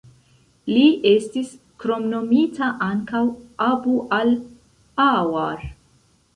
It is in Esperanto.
Li estis kromnomita ankaŭ "Abu-al-Aaŭar".